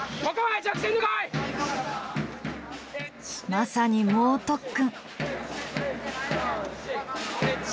まさに猛特訓。